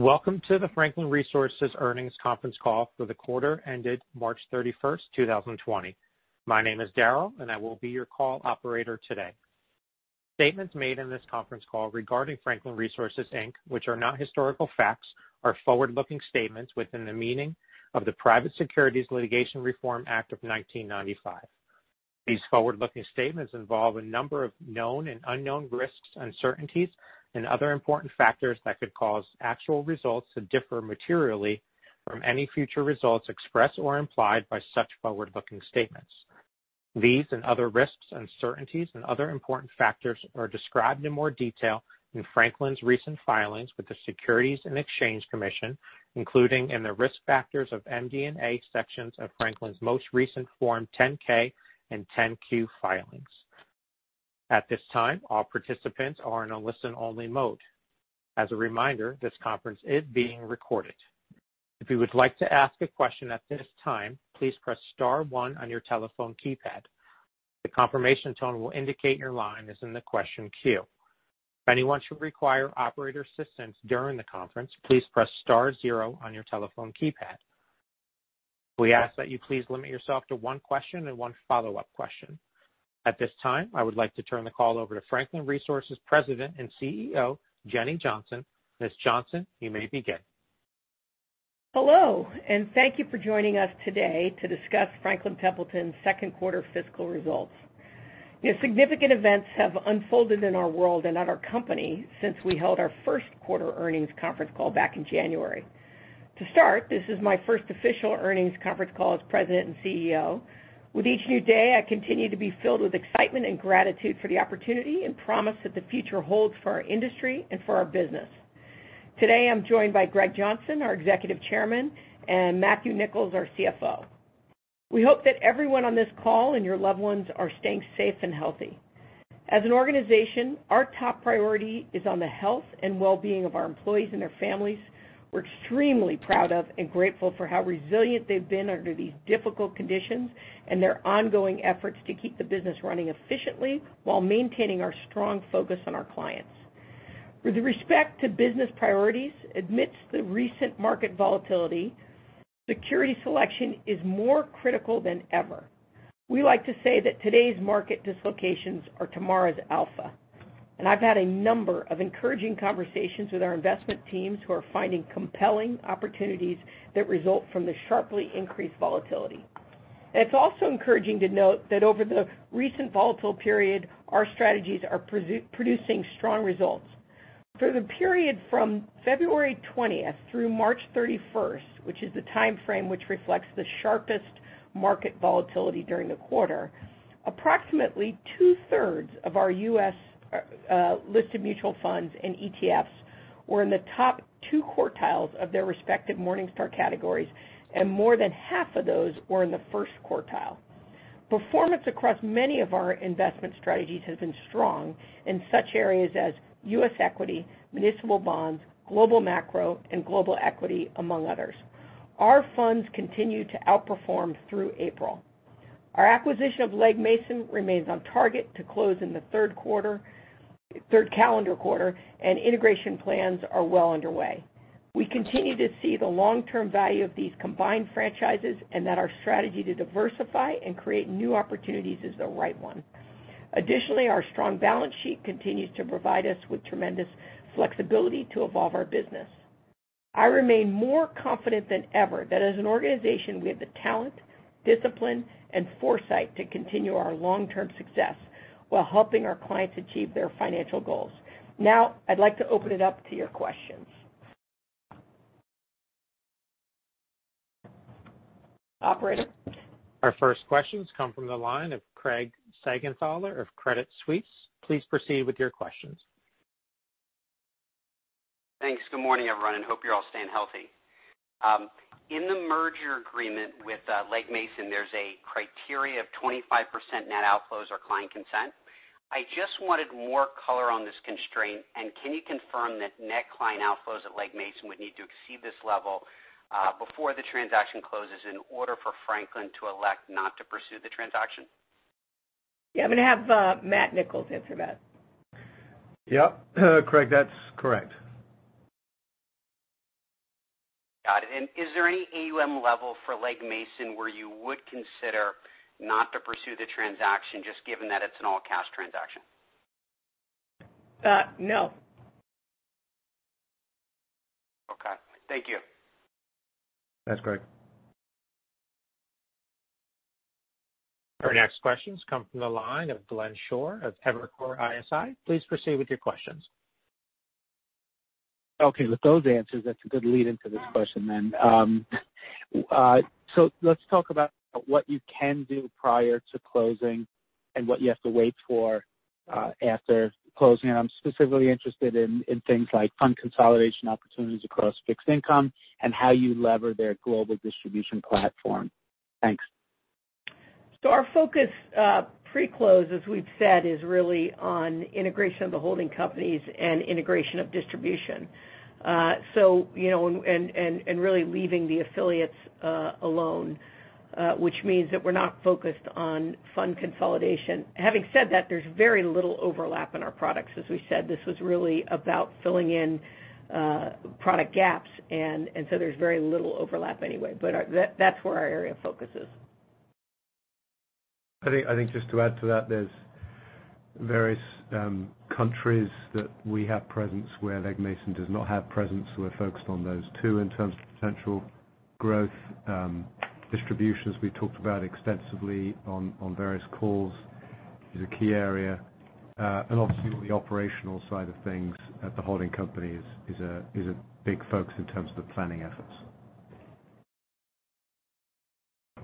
Welcome to the Franklin Resources Earnings Conference Call for the Quarter Ended March 31st, 2020. My name is Darrell, and I will be your call operator today. Statements made in this conference call regarding Franklin Resources, Inc., which are not historical facts, are forward-looking statements within the meaning of the Private Securities Litigation Reform Act of 1995. These forward-looking statements involve a number of known and unknown risks, uncertainties, and other important factors that could cause actual results to differ materially from any future results expressed or implied by such forward-looking statements. These and other risks, uncertainties, and other important factors are described in more detail in Franklin's recent filings with the Securities and Exchange Commission, including in the risk factors of MD&A sections of Franklin's most recent Form 10-K and 10-Q filings. At this time, all participants are in a listen-only mode. As a reminder, this conference is being recorded. If you would like to ask a question at this time, please press star one on your telephone keypad. The confirmation tone will indicate your line is in the question queue. If anyone should require operator assistance during the conference, please press star zero on your telephone keypad. We ask that you please limit yourself to one question and one follow-up question. At this time, I would like to turn the call over to Franklin Resources President and CEO, Jenny Johnson. Ms. Johnson, you may begin. Hello, and thank you for joining us today to discuss Franklin Templeton's Q2 fiscal results. Significant events have unfolded in our world and at our company since we held our Q1 earnings conference call back in January. To start, this is my first official earnings conference call as President and CEO. With each new day, I continue to be filled with excitement and gratitude for the opportunity and promise that the future holds for our industry and for our business. Today, I'm joined by Greg Johnson, our Executive Chairman, and Matthew Nicholls, our CFO. We hope that everyone on this call and your loved ones are staying safe and healthy. As an organization, our top priority is on the health and well-being of our employees and their families. We're extremely proud of and grateful for how resilient they've been under these difficult conditions and their ongoing efforts to keep the business running efficiently while maintaining our strong focus on our clients. With respect to business priorities, amidst the recent market volatility, security selection is more critical than ever. We like to say that today's market dislocations are tomorrow's alpha. And I've had a number of encouraging conversations with our investment teams who are finding compelling opportunities that result from the sharply increased volatility. It's also encouraging to note that over the recent volatile period, our strategies are producing strong results. For the period from February 20th through March 31st, which is the time frame which reflects the sharpest market volatility during the quarter, approximately two-thirds of our U.S. listed mutual funds and ETFs were in the top two quartiles of their respective Morningstar categories, and more than half of those were in the first quartile. Performance across many of our investment strategies has been strong in such areas as U.S. equity, municipal bonds, global macro, and global equity, among others. Our funds continue to outperform through April. Our acquisition of Legg Mason remains on target to close in the third calendar quarter, and integration plans are well underway. We continue to see the long-term value of these combined franchises and that our strategy to diversify and create new opportunities is the right one. Additionally, our strong balance sheet continues to provide us with tremendous flexibility to evolve our business. I remain more confident than ever that as an organization, we have the talent, discipline, and foresight to continue our long-term success while helping our clients achieve their financial goals. Now, I'd like to open it up to your questions. Operator. Our first questions come from the line of Craig Siegenthaler of Credit Suisse. Please proceed with your questions. Thanks. Good morning, everyone, and hope you're all staying healthy. In the merger agreement with Legg Mason, there's a criteria of 25% net outflows or client consent. I just wanted more color on this constraint, and can you confirm that net client outflows at Legg Mason would need to exceed this level before the transaction closes in order for Franklin to elect not to pursue the transaction? Yeah, I'm going to have Matt Nicholls answer that. Yep. Craig, that's correct. Got it. And is there any AUM level for Legg Mason where you would consider not to pursue the transaction just given that it's an all-cash transaction? No. Okay. Thank you. That's great. Our next questions come from the line of Glenn Schorr of Evercore ISI. Please proceed with your questions. Okay. With those answers, that's a good lead-in to this question then. So let's talk about what you can do prior to closing and what you have to wait for after closing. And I'm specifically interested in things like fund consolidation opportunities across fixed income and how you leverage their global distribution platform. Thanks. Our focus pre-close, as we've said, is really on integration of the holding companies and integration of distribution. So and really leaving the affiliates alone, which means that we're not focused on fund consolidation. Having said that, there's very little overlap in our products. As we said, this was really about filling in product gaps, and so there's very little overlap anyway. But that's where our area of focus is. I think just to add to that, there's various countries that we have presence where Legg Mason does not have presence. So we're focused on those two in terms of potential growth. Distributions, we talked about extensively on various calls, is a key area. And obviously, the operational side of things at the holding company is a big focus in terms of the planning efforts.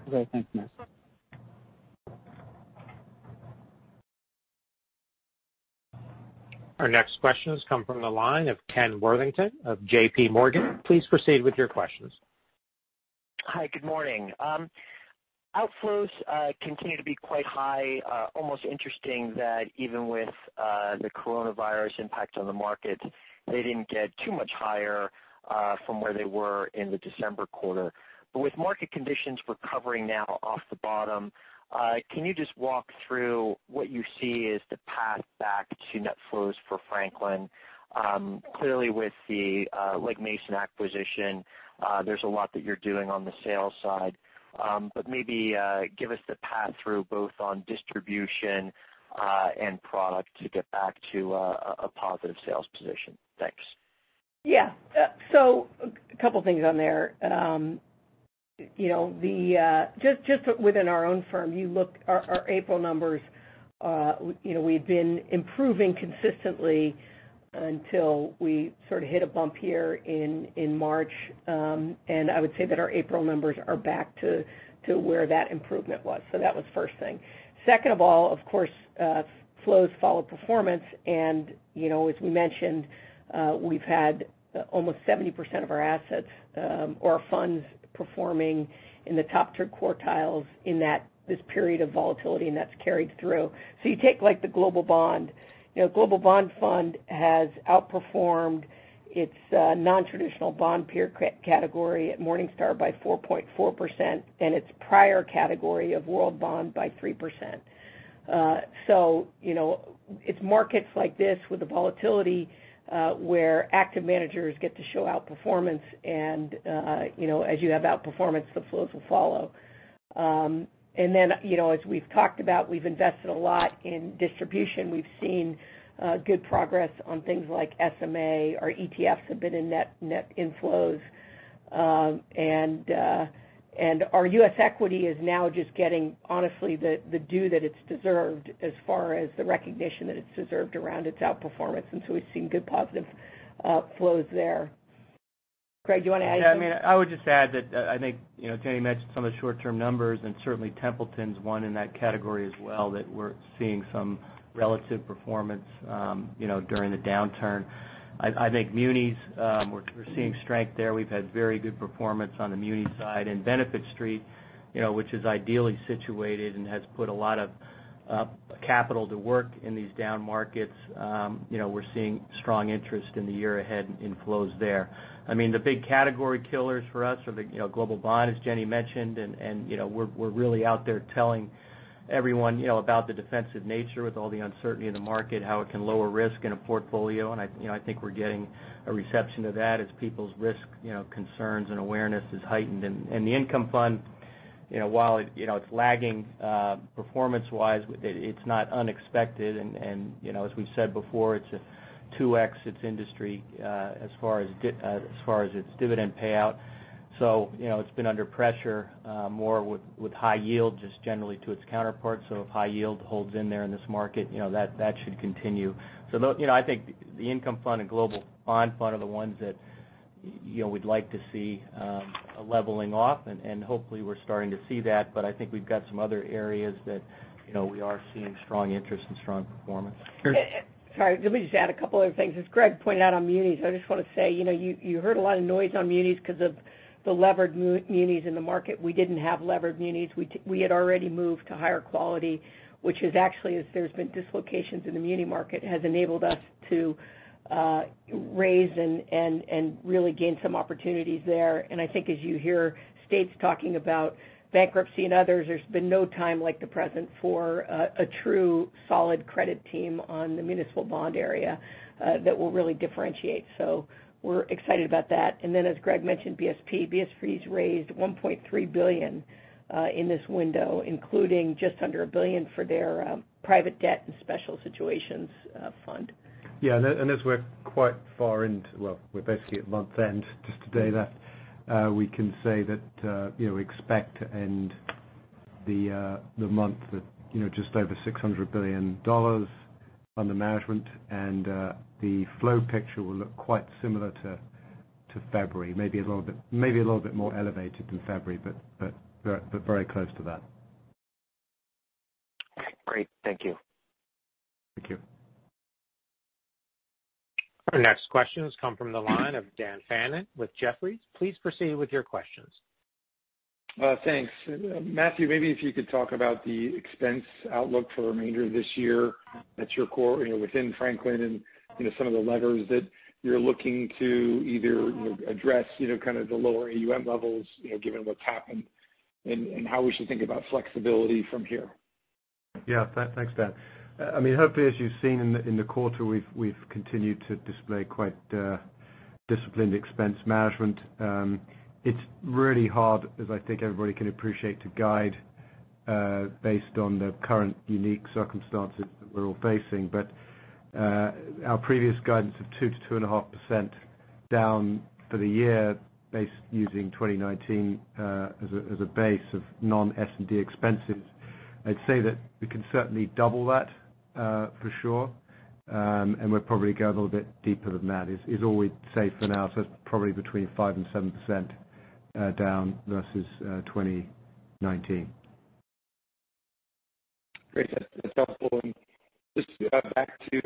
Okay. Thanks, Matt. Our next questions come from the line of Ken Worthington of JPMorgan. Please proceed with your questions. Hi. Good morning. Outflows continue to be quite high. Almost interesting that even with the coronavirus impact on the market, they didn't get too much higher from where they were in the December quarter. But with market conditions recovering now off the bottom, can you just walk through what you see as the path back to net flows for Franklin? Clearly, with the Legg Mason acquisition, there's a lot that you're doing on the sales side. But maybe give us the path through both on distribution and product to get back to a positive sales position. Thanks. Yeah. So a couple of things on there. Just within our own firm, you look at our April numbers. We had been improving consistently until we sort of hit a bump here in March. And I would say that our April numbers are back to where that improvement was. So that was the first thing. Second of all, of course, flows follow performance. And as we mentioned, we've had almost 70% of our assets or funds performing in the top three quartiles in this period of volatility, and that's carried through. So you take the global bond. The Global Bond Fund has outperformed its non-traditional bond peer category at Morningstar by 4.4% and its prior category of World Bond by 3%. So it's markets like this with the volatility where active managers get to show outperformance. And as you have outperformance, the flows will follow. And then, as we've talked about, we've invested a lot in distribution. We've seen good progress on things like SMA. Our ETFs have been in net inflows. And our U.S. equity is now just getting, honestly, the due that it's deserved as far as the recognition that it's deserved around its outperformance. And so we've seen good positive flows there. Greg, do you want to add to that? Yeah. I mean, I would just add that I think Jenny mentioned some of the short-term numbers, and certainly Templeton's one in that category as well, that we're seeing some relative performance during the downturn. I think munis, we're seeing strength there. We've had very good performance on the munis side. And Benefit Street, which is ideally situated and has put a lot of capital to work in these down markets, we're seeing strong interest in the year ahead in flows there. I mean, the big category killers for us are the global bond, as Jenny mentioned. And we're really out there telling everyone about the defensive nature with all the uncertainty in the market, how it can lower risk in a portfolio. And I think we're getting a reception to that as people's risk concerns and awareness is heightened. And the income fund, while it's lagging performance-wise, it's not unexpected. And as we've said before, it's a 2X its industry as far as its dividend payout. So it's been under pressure more with high yield, just generally to its counterparts. So if high yield holds in there in this market, that should continue. So I think the Income Fund and global bond fund are the ones that we'd like to see leveling off. And hopefully, we're starting to see that. But I think we've got some other areas that we are seeing strong interest and strong performance. Sorry. Let me just add a couple of other things. As Greg pointed out on munis, I just want to say you heard a lot of noise on munis because of the levered munis in the market. We didn't have levered unis. We had already moved to higher quality, which is actually as there's been dislocations in the Muni market, has enabled us to raise and really gain some opportunities there, and I think as you hear states talking about bankruptcy and others, there's been no time like the present for a true solid credit team on the municipal bond area that will really differentiate. So we're excited about that, and then, as Greg mentioned, BSP. BSP's raised $1.3 billion in this window, including just under $1 billion for their private debt and special situations fund. Yeah. And as we're quite far into, well, we're basically at month's end, just a day left. We can say that we expect to end the month at just over $600 billion under management. And the flow picture will look quite similar to February, maybe a little bit more elevated than February, but very close to that. Great. Thank you. Thank you. Our next questions come from the line of Dan Fannon with Jefferies. Please proceed with your questions. Thanks. Matthew, maybe if you could talk about the expense outlook for the remainder of this year. That's your core within Franklin and some of the levers that you're looking to either address kind of the lower AUM levels given what's happened and how we should think about flexibility from here. Yeah. Thanks. I mean, hopefully, as you've seen in the quarter, we've continued to display quite disciplined expense management. It's really hard, as I think everybody can appreciate, to guide based on the current unique circumstances that we're all facing. But our previous guidance of 2%-2.5% down for the year based using 2019 as a base of non-S&D expenses, I'd say that we can certainly double that for sure. And we're probably going a little bit deeper than that is all we'd say for now. So it's probably between 5% and 7% down versus 2019. Great. That's helpful. And just back to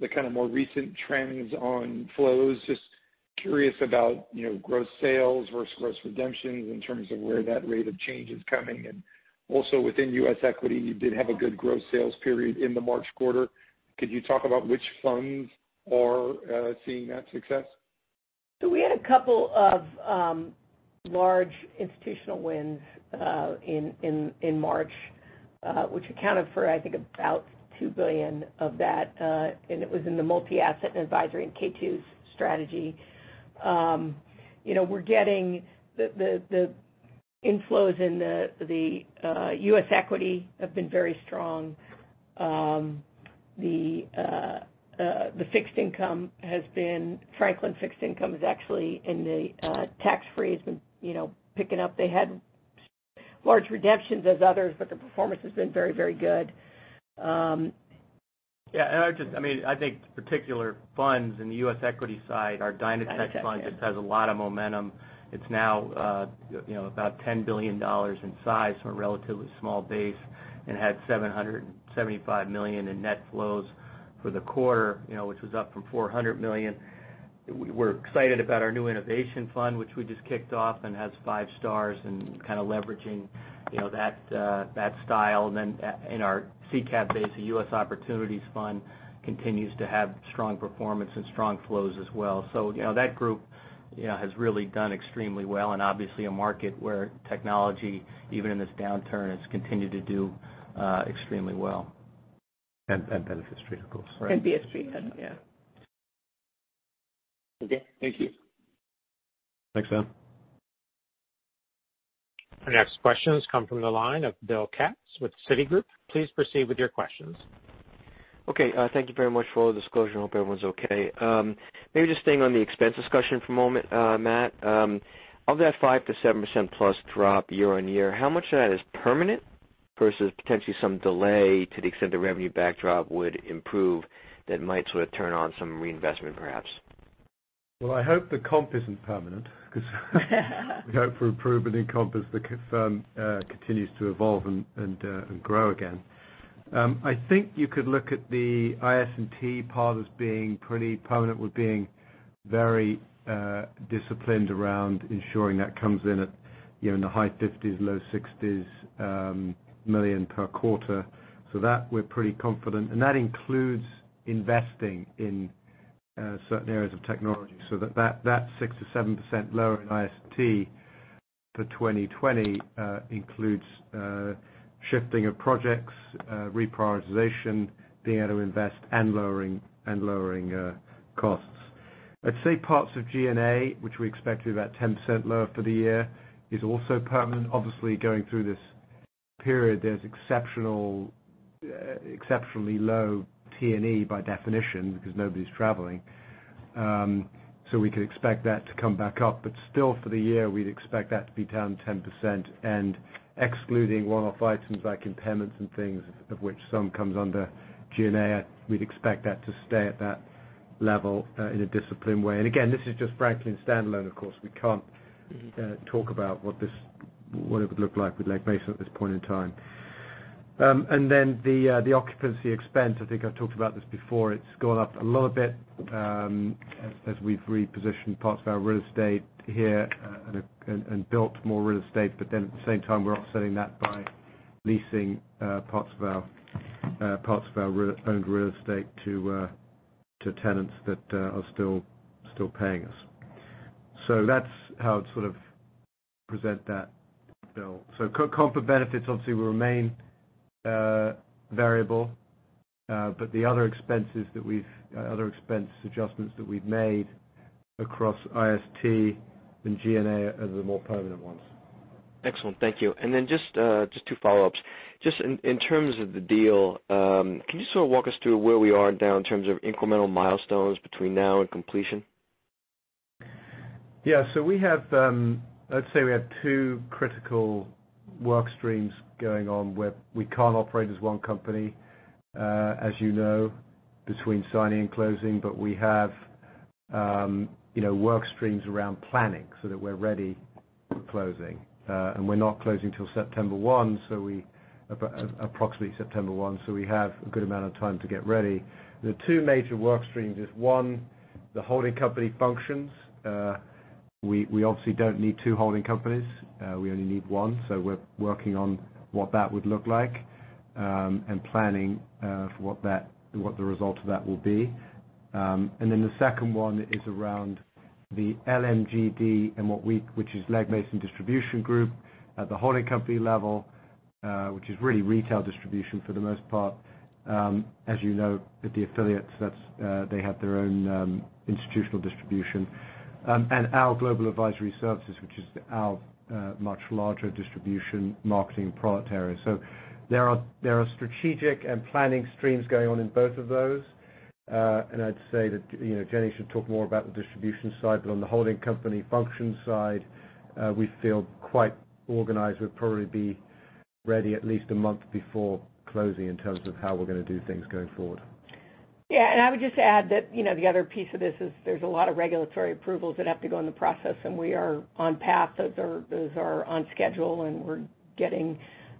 the kind of more recent trends on flows, just curious about gross sales versus gross redemptions in terms of where that rate of change is coming. And also, within U.S. equity, you did have a good gross sales period in the March quarter. Could you talk about which funds are seeing that success? We had a couple of large institutional wins in March, which accounted for, I think, about $2 billion of that. It was in the multi-asset advisory and K2 strategy. We're getting the inflows in the U.S. equity have been very strong. The fixed income has been. Franklin fixed income is actually in the tax-free has been picking up. They had large redemptions as others, but the performance has been very, very good. Yeah. I mean, I think particular funds in the U.S. equity side, our DynaTech Fund just has a lot of momentum. It's now about $10 billion in size from a relatively small base and had $775 million in net flows for the quarter, which was up from $400 million. We're excited about our new Innovation Fund, which we just kicked off and has five stars and kind of leveraging that style. And then in our SICAV base, the U.S. Opportunities Fund continues to have strong performance and strong flows as well. So that group has really done extremely well. And obviously, a market where technology, even in this downturn, has continued to do extremely well. Benefit Street, of course. BSP, yeah. Okay. Thank you. Thanks, Dan. Our next questions come from the line of Bill Katz with Citigroup. Please proceed with your questions. Okay. Thank you very much for all the disclosure. I hope everyone's okay. Maybe just staying on the expense discussion for a moment, Matt. Of that 5%-7% plus drop year on year, how much of that is permanent versus potentially some delay to the extent the revenue backdrop would improve that might sort of turn on some reinvestment, perhaps? I hope the comp isn't permanent because we hope for improvement in comp as the firm continues to evolve and grow again. I think you could look at the IS&T part as being pretty permanent. We're being very disciplined around ensuring that comes in at the high $50s-low $60s million per quarter. So that we're pretty confident. And that includes investing in certain areas of technology. So that 6%-7% lower in IS&T for 2020 includes shifting of projects, reprioritization, being able to invest, and lowering costs. I'd say parts of G&A, which we expect to be about 10% lower for the year, is also permanent. Obviously, going through this period, there's exceptionally low T&E by definition because nobody's traveling. So we could expect that to come back up. But still, for the year, we'd expect that to be down 10%. And excluding one-off items like impairments and things, of which some comes under G&A, we'd expect that to stay at that level in a disciplined way. And again, this is just Franklin standalone, of course. We can't talk about what it would look like with Legg Mason at this point in time. And then the occupancy expense, I think I've talked about this before. It's gone up a little bit as we've repositioned parts of our real estate here and built more real estate. But then at the same time, we're offsetting that by leasing parts of our owned real estate to tenants that are still paying us. So that's how I'd sort of present that bill. So comp and benefits, obviously, will remain variable. But the other expenses, other expense adjustments that we've made across IS&T and G&A are the more permanent ones. Excellent. Thank you. And then just two follow-ups. Just in terms of the deal, can you sort of walk us through where we are now in terms of incremental milestones between now and completion? Yeah. So let's say we have two critical work streams going on where we can't operate as one company, as you know, between signing and closing. But we have work streams around planning so that we're ready for closing. And we're not closing till September 1, approximately September 1. So we have a good amount of time to get ready. The two major work streams is, one, the holding company functions. We obviously don't need two holding companies. We only need one. So we're working on what that would look like and planning for what the result of that will be. And then the second one is around the LMGD, which is Legg Mason Distribution Group at the holding company level, which is really retail distribution for the most part. As you know, the affiliates, they have their own institutional distribution. And our global advisory services, which is our much larger distribution, marketing, and product area. So there are strategic and planning streams going on in both of those. And I'd say that Jenny should talk more about the distribution side. But on the holding company function side, we feel quite organized. We'd probably be ready at least a month before closing in terms of how we're going to do things going forward. Yeah. I would just add that the other piece of this is there's a lot of regulatory approvals that have to go through the process. We are on track. Those are on schedule. We've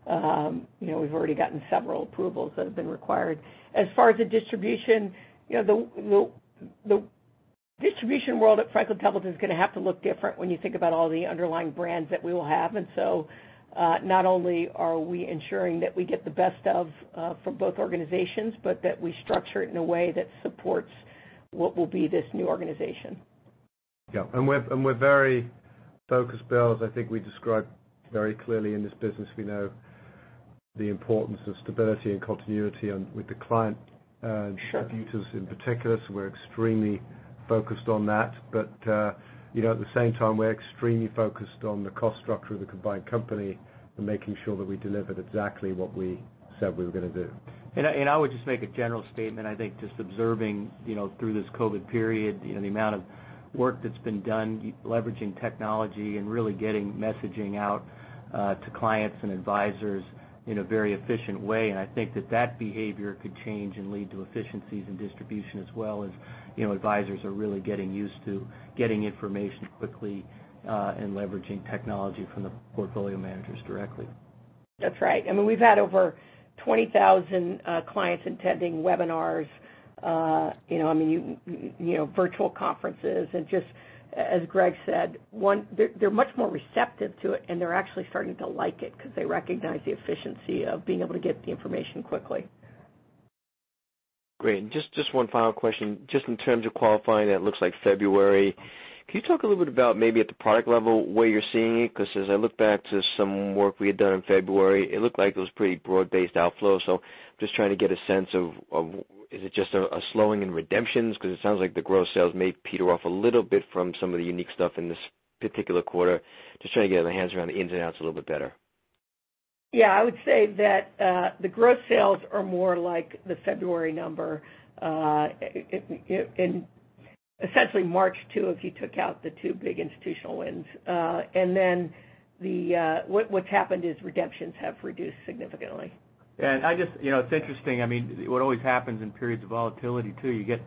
already gotten several approvals that have been required. As far as the distribution, the distribution world at Franklin Templeton is going to have to look different when you think about all the underlying brands that we will have. So not only are we ensuring that we get the best of both organizations, but that we structure it in a way that supports what will be this new organization. Yeah, and we're very focused, Bill. As I think we described very clearly in this business, we know the importance of stability and continuity with the client and customers in particular, so we're extremely focused on that, but at the same time, we're extremely focused on the cost structure of the combined company and making sure that we delivered exactly what we said we were going to do. I would just make a general statement. I think just observing through this COVID period, the amount of work that's been done, leveraging technology and really getting messaging out to clients and advisors in a very efficient way. I think that that behavior could change and lead to efficiencies in distribution as well as advisors are really getting used to getting information quickly and leveraging technology from the portfolio managers directly. That's right. I mean, we've had over 20,000 clients attending webinars, I mean, virtual conferences. And just as Greg said, they're much more receptive to it. And they're actually starting to like it because they recognize the efficiency of being able to get the information quickly. Great. And just one final question. Just in terms of qualifying, it looks like February. Can you talk a little bit about maybe at the product level where you're seeing it? Because as I look back to some work we had done in February, it looked like it was pretty broad-based outflow. So just trying to get a sense of, is it just a slowing in redemptions? Because it sounds like the gross sales may peter off a little bit from some of the unique stuff in this particular quarter. Just trying to get our hands around the ins and outs a little bit better. Yeah. I would say that the gross sales are more like the February number in essentially March too if you took out the two big institutional wins. And then what's happened is redemptions have reduced significantly. Yeah. And it's interesting. I mean, what always happens in periods of volatility too, you get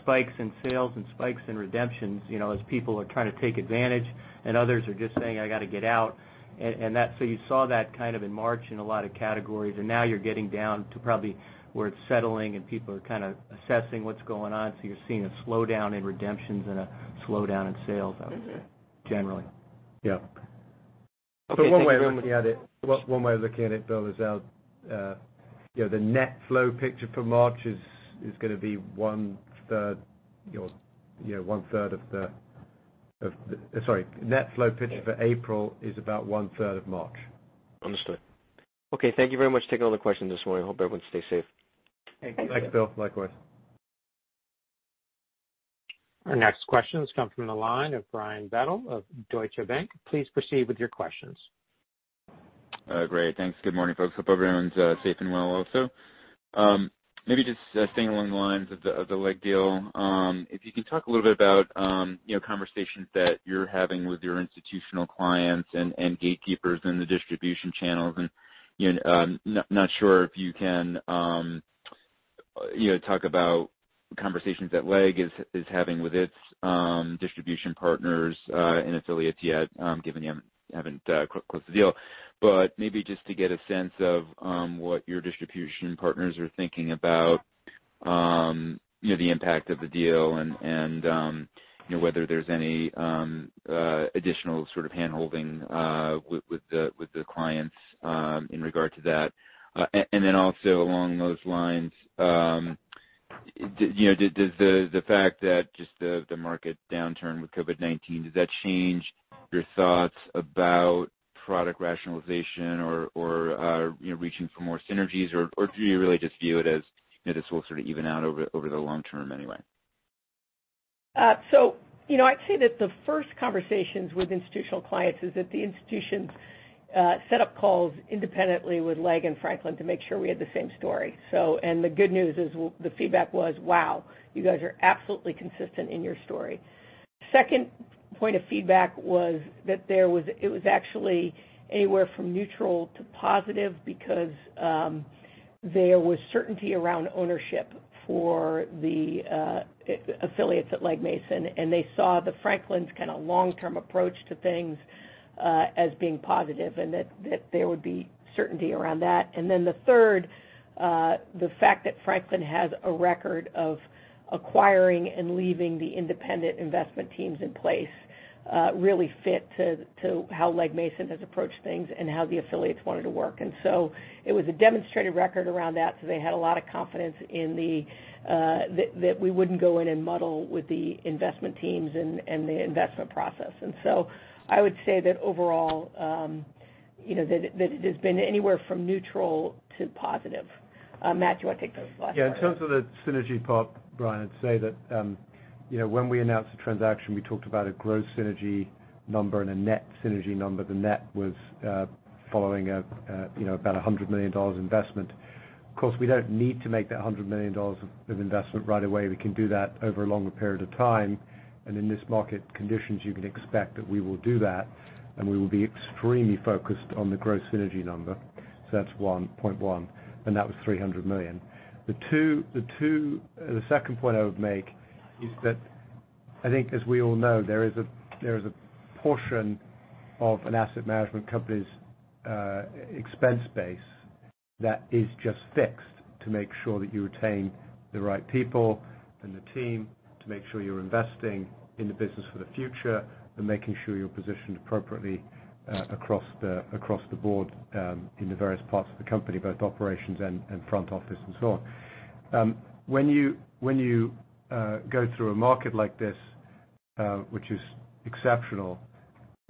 spikes in sales and spikes in redemptions as people are trying to take advantage. And others are just saying, "I got to get out." And so you saw that kind of in March in a lot of categories. And now you're getting down to probably where it's settling and people are kind of assessing what's going on. So you're seeing a slowdown in redemptions and a slowdown in sales, I would say, generally. Yeah. So one way of looking at it, Bill, is the net flow picture for March is gonna be one-third, one-third, net flow for April is about one-third of March. Understood. Okay. Thank you very much for taking all the questions this morning. I hope everyone stays safe. Thank you. Thanks, Bill. Likewise. Our next questions come from the line of Brian Bedell of Deutsche Bank. Please proceed with your questions. Great. Thanks. Good morning, folks. Hope everyone's safe and well also. Maybe just staying along the lines of the Legg deal, if you can talk a little bit about conversations that you're having with your institutional clients and gatekeepers in the distribution channels. And not sure if you can talk about conversations that Legg is having with its distribution partners and affiliates yet, given you haven't closed the deal. But maybe just to get a sense of what your distribution partners are thinking about the impact of the deal and whether there's any additional sort of handholding with the clients in regard to that. And then also along those lines, does the fact that just the market downturn with COVID-19, does that change your thoughts about product rationalization or reaching for more synergies? Or do you really just view it as this will sort of even out over the long term anyway? So I'd say that the first conversations with institutional clients is that the institutions set up calls independently with Legg and Franklin to make sure we had the same story. And the good news is the feedback was, "Wow, you guys are absolutely consistent in your story." Second point of feedback was that it was actually anywhere from neutral to positive because there was certainty around ownership for the affiliates at Legg Mason. And they saw the Franklins' kind of long-term approach to things as being positive and that there would be certainty around that. And then the third, the fact that Franklin has a record of acquiring and leaving the independent investment teams in place really fit to how Legg Mason has approached things and how the affiliates wanted to work. And so it was a demonstrated record around that. So they had a lot of confidence in that we wouldn't go in and muddle with the investment teams and the investment process. And so I would say that overall, that it has been anywhere from neutral to positive. Matt, do you want to take those last questions? Yeah. In terms of the synergy part, Brian, I'd say that when we announced the transaction, we talked about a gross synergy number and a net synergy number. The net was following about $100 million investment. Of course, we don't need to make that $100 million of investment right away. We can do that over a longer period of time. And in this market conditions, you can expect that we will do that. And we will be extremely focused on the gross synergy number. So that's 1.1. And that was $300 million. The second point I would make is that I think, as we all know, there is a portion of an asset management company's expense base that is just fixed to make sure that you retain the right people and the team to make sure you're investing in the business for the future and making sure you're positioned appropriately across the board in the various parts of the company, both operations and front office and so on. When you go through a market like this, which is exceptional,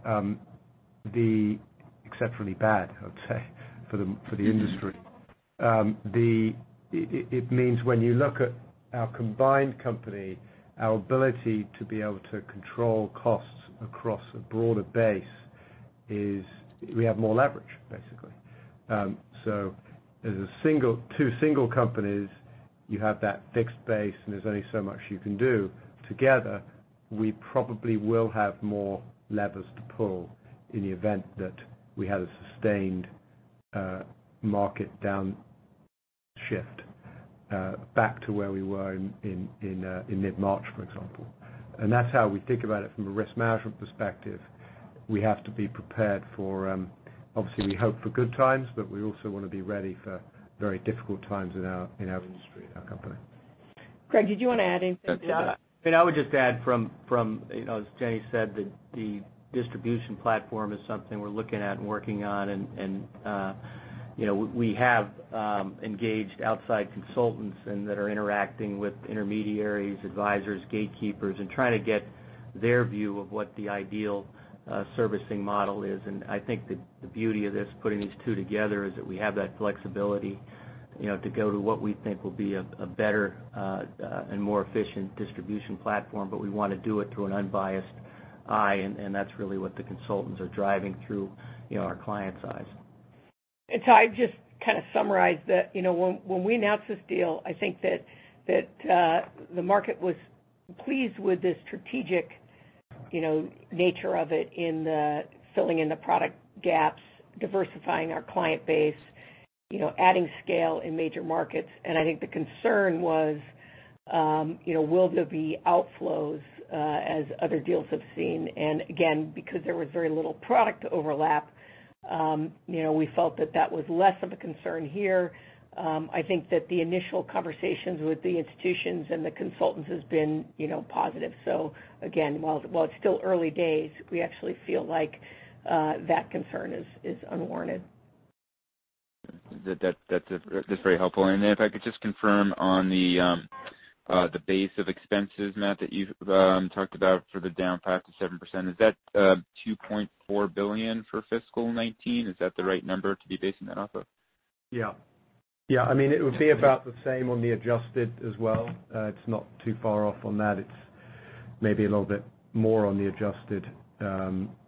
the exceptionally bad, I would say, for the industry, it means when you look at our combined company, our ability to be able to control costs across a broader base is we have more leverage, basically, so as two single companies, you have that fixed base and there's only so much you can do. Together, we probably will have more levers to pull in the event that we had a sustained market downshift back to where we were in mid-March, for example. And that's how we think about it from a risk management perspective. We have to be prepared for, obviously, we hope for good times, but we also want to be ready for very difficult times in our industry, in our company. Greg, did you want to add anything to that? I mean, I would just add from, as Jenny said, that the distribution platform is something we're looking at and working on. And we have engaged outside consultants that are interacting with intermediaries, advisors, gatekeepers, and trying to get their view of what the ideal servicing model is. And I think the beauty of this putting these two together is that we have that flexibility to go to what we think will be a better and more efficient distribution platform. But we want to do it through an unbiased eye. And that's really what the consultants are driving through our clients' eyes. And so I'd just kind of summarize that when we announced this deal, I think that the market was pleased with the strategic nature of it in filling in the product gaps, diversifying our client base, adding scale in major markets. And I think the concern was, will there be outflows as other deals have seen? And again, because there was very little product overlap, we felt that that was less of a concern here. I think that the initial conversations with the institutions and the consultants have been positive. So again, while it's still early days, we actually feel like that concern is unwarranted. That's very helpful. And if I could just confirm on the basis of expenses, Matt, that you talked about for the down 5%-7%, is that $2.4 billion for fiscal 2019? Is that the right number to be basing that off of? Yeah. Yeah. I mean, it would be about the same on the adjusted as well. It's not too far off on that. It's maybe a little bit more on the adjusted.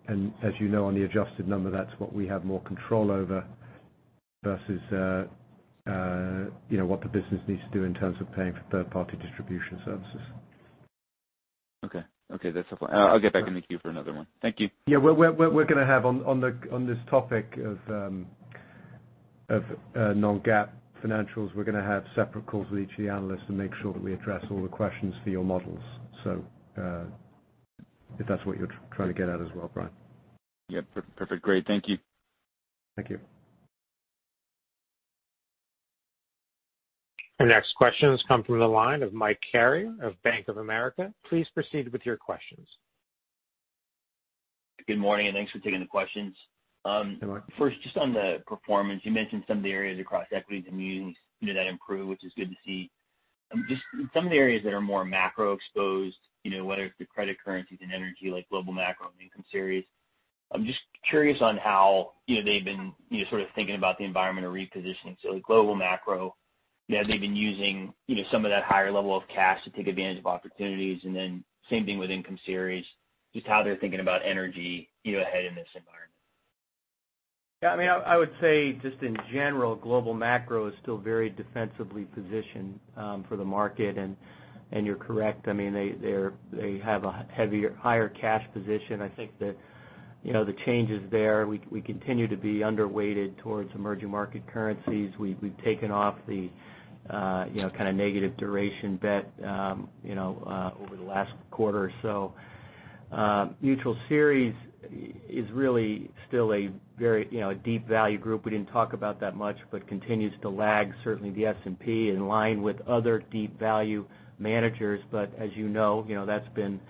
And as you know, on the adjusted number, that's what we have more control over versus what the business needs to do in terms of paying for third-party distribution services. Okay. Okay. That's helpful. I'll get back in the queue for another one. Thank you. Yeah. We're going to have on this topic of non-GAAP financials, we're going to have separate calls with each of the analysts to make sure that we address all the questions for your models. So if that's what you're trying to get at as well, Brian. Yeah. Perfect. Great. Thank you. Thank you. Our next questions come from the line of Mike Carrier of Bank of America. Please proceed with your questions. Good morning, and thanks for taking the questions. Good morning. First, just on the performance, you mentioned some of the areas across equities and using that improve, which is good to see. Just some of the areas that are more macro-exposed, whether it's the credit currencies and energy like global macro and income series. I'm just curious on how they've been sort of thinking about the environment of repositioning. So global macro, they've been using some of that higher level of cash to take advantage of opportunities. And then same thing with income series, just how they're thinking about energy ahead in this environment. Yeah. I mean, I would say just in general, global macro is still very defensively positioned for the market. And you're correct. I mean, they have a heavier higher cash position. I think that the change is there. We continue to be underweighted towards emerging market currencies. We've taken off the kind of negative duration bet over the last quarter or so. Mutual Series is really still a very deep value group. We didn't talk about that much, but continues to lag certainly the S&P in line with other deep value managers. But as you know, that's been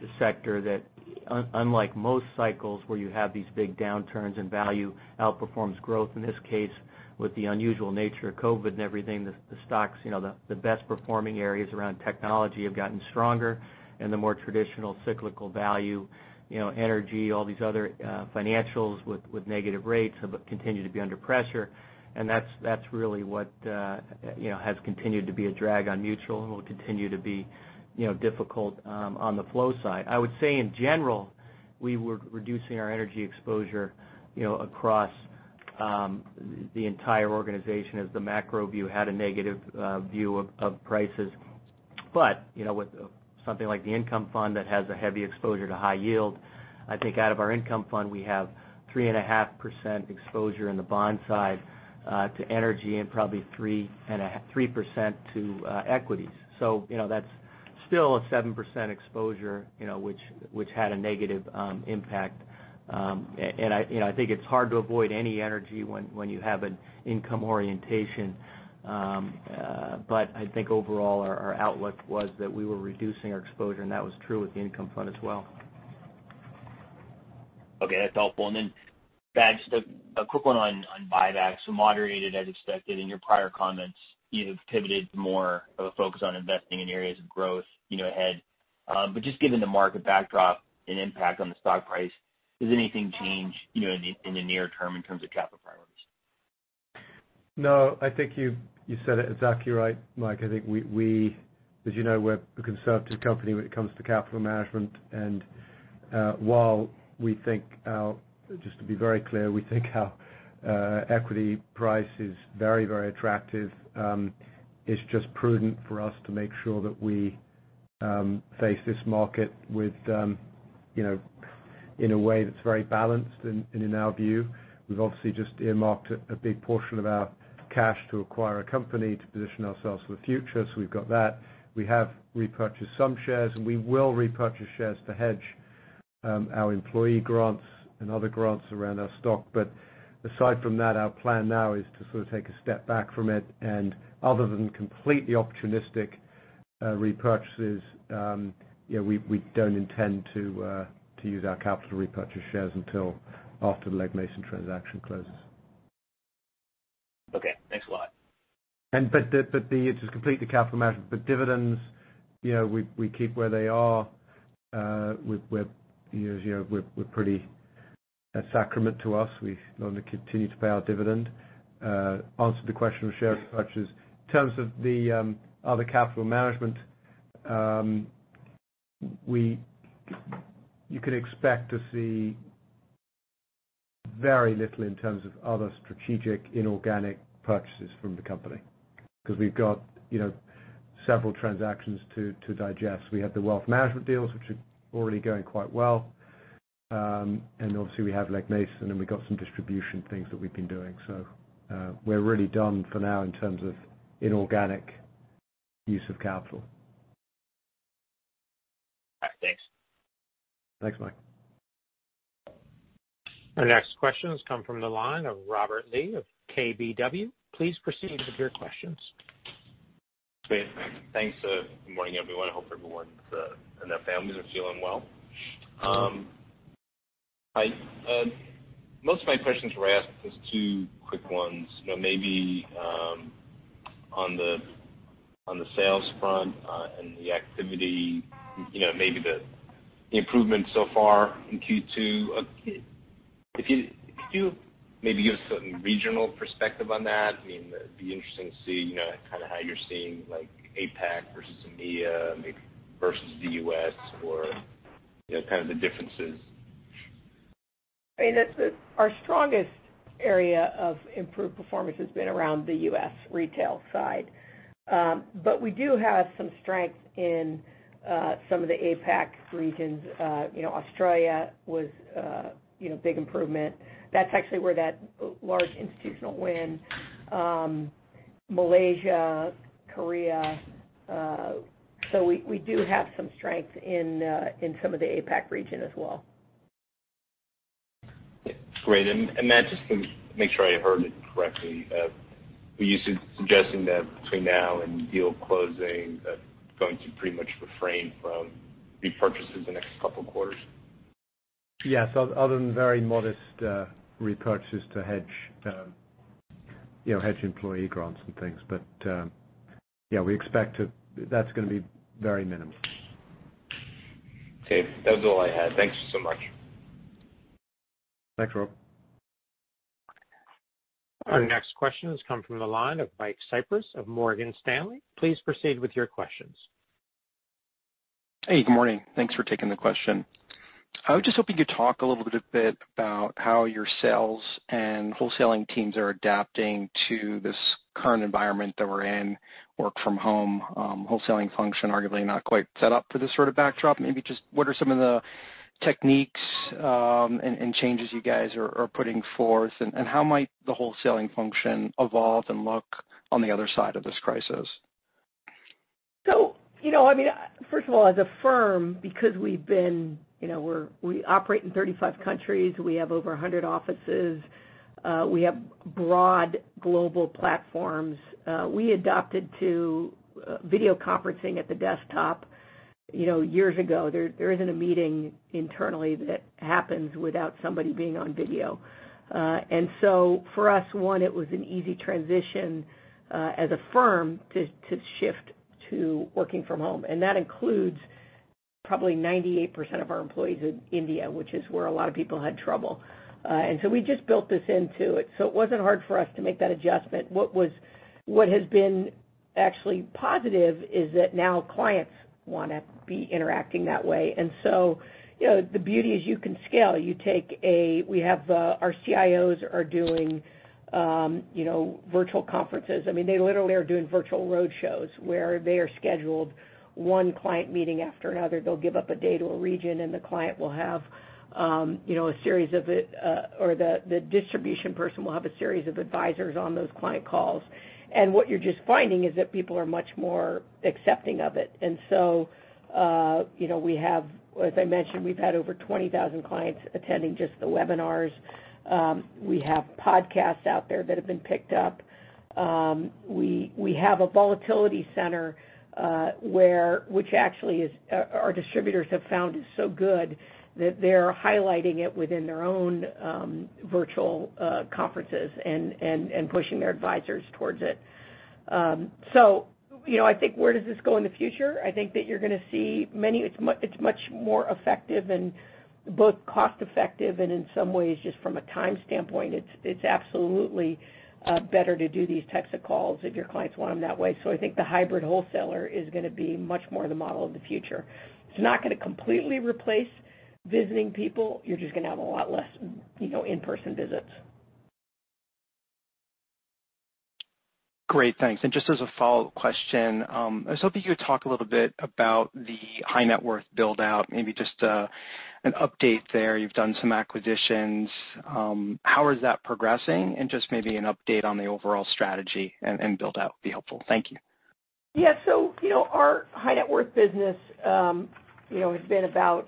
the sector that, unlike most cycles where you have these big downturns and value outperforms growth. In this case, with the unusual nature of COVID and everything, the stocks, the best-performing areas around technology have gotten stronger. And the more traditional cyclical value, energy, all these other financials with negative rates have continued to be under pressure. And that's really what has continued to be a drag on mutual and will continue to be difficult on the flow side. I would say in general, we were reducing our energy exposure across the entire organization as the macro view had a negative view of prices. But with something like the income fund that has a heavy exposure to high yield, I think out of our income fund, we have 3.5% exposure in the bond side to energy and probably 3% to equities. So that's still a 7% exposure, which had a negative impact. And I think it's hard to avoid any energy when you have an income orientation. But I think overall, our outlook was that we were reducing our exposure. That was true with the Income Fund as well. Okay. That's helpful. And then a quick one on buybacks. So moderated, as expected, in your prior comments, you have pivoted more of a focus on investing in areas of growth ahead. But just given the market backdrop and impact on the stock price, does anything change in the near term in terms of capital priorities? No. I think you said it exactly right, Mike. I think we, as you know, we're a conservative company when it comes to capital management. And while we think, just to be very clear, we think our equity price is very, very attractive, it's just prudent for us to make sure that we face this market in a way that's very balanced in our view. We've obviously just earmarked a big portion of our cash to acquire a company to position ourselves for the future. So we've got that. We have repurchased some shares. And we will repurchase shares to hedge our employee grants and other grants around our stock. But aside from that, our plan now is to sort of take a step back from it. And other than completely opportunistic repurchases, we don't intend to use our capital to repurchase shares until after the Legg Mason transaction closes. Okay. Thanks a lot. But to complete the capital management, our dividends we keep where they are. They're pretty sacrosanct to us. We continue to pay our dividend. That answers the question of share purchases. In terms of the other capital management, you can expect to see very little in terms of other strategic inorganic purchases from the company because we've got several transactions to digest. We have the wealth management deals, which are already going quite well. And obviously, we have Legg Mason. And we've got some distribution things that we've been doing. So we're really done for now in terms of inorganic use of capital. Thanks. Thanks, Mike. Our next questions come from the line of Robert Lee of KBW. Please proceed with your questions. Great. Thanks. Good morning, everyone. I hope everyone and their families are feeling well. Most of my questions were asked as two quick ones. Maybe on the sales front and the activity, maybe the improvement so far in Q2. If you could maybe give us some regional perspective on that, I mean, it'd be interesting to see kind of how you're seeing APAC versus EMEA versus the US or kind of the differences. I mean, our strongest area of improved performance has been around the U.S. retail side. But we do have some strength in some of the APAC regions. Australia was a big improvement. That's actually where that large institutional went. Malaysia, Korea. So we do have some strength in some of the APAC region as well. Great. [inaudible] just to make sure I heard it correctly, were you suggesting that between now and deal closing, going to pretty much refrain from repurchases the next couple of quarters? Yes. Other than very modest repurchases to hedge employee grants and things. But yeah, we expect that's going to be very minimal. Okay. That was all I had. Thanks so much. Thanks, Rob. Our next question has come from the line of Michael Cyprys of Morgan Stanley. Please proceed with your questions. Hey, good morning. Thanks for taking the question. I was just hoping to talk a little bit about how your sales and wholesaling teams are adapting to this current environment that we're in, work-from-home wholesaling function, arguably not quite set up for this sort of backdrop. Maybe just what are some of the techniques and changes you guys are putting forth, and how might the wholesaling function evolve and look on the other side of this crisis? So I mean, first of all, as a firm, because we operate in 35 countries. We have over 100 offices. We have broad global platforms. We adopted video conferencing at the desktop years ago. There isn't a meeting internally that happens without somebody being on video. And so for us, one, it was an easy transition as a firm to shift to working from home. And that includes probably 98% of our employees in India, which is where a lot of people had trouble. And so we just built this into it. So it wasn't hard for us to make that adjustment. What has been actually positive is that now clients want to be interacting that way. And so the beauty is you can scale. Our CIOs are doing virtual conferences. I mean, they literally are doing virtual roadshows where they are scheduled one client meeting after another. They'll give up a day to a region, and the client will have a series of or the distribution person will have a series of advisors on those client calls. And what you're just finding is that people are much more accepting of it. And so we have, as I mentioned, we've had over 20,000 clients attending just the webinars. We have podcasts out there that have been picked up. We have a Volatility Center which actually our distributors have found is so good that they're highlighting it within their own virtual conferences and pushing their advisors towards it. So I think where does this go in the future? I think that you're going to see many. It's much more effective and both cost-effective and in some ways, just from a time standpoint, it's absolutely better to do these types of calls if your clients want them that way. So I think the hybrid wholesaler is going to be much more the model of the future. It's not going to completely replace visiting people. You're just going to have a lot less in-person visits. Great. Thanks. And just as a follow-up question, I was hoping you would talk a little bit about the high-net-worth build-out, maybe just an update there. You've done some acquisitions. How is that progressing? And just maybe an update on the overall strategy and build-out would be helpful. Thank you. Yeah. So our high-net-worth business has been about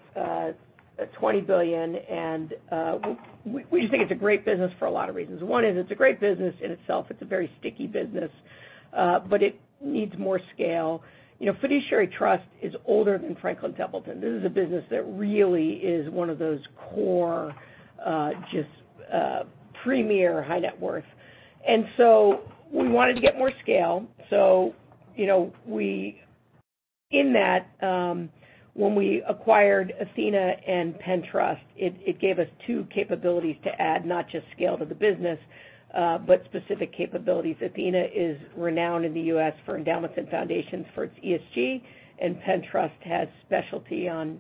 $20 billion. And we just think it's a great business for a lot of reasons. One is it's a great business in itself. It's a very sticky business, but it needs more scale. Fiduciary Trust is older than Franklin Templeton. This is a business that really is one of those core just premier high-net-worth. And so we wanted to get more scale. So in that, when we acquired Athena and Pennsylvania Trust, it gave us two capabilities to add, not just scale to the business, but specific capabilities. Athena is renowned in the U.S. for endowments and foundations for its ESG. And Pennsylvania Trust has specialty for